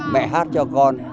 mẹ hát cho con